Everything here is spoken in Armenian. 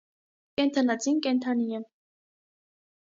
Կենդանածին կենդանի է։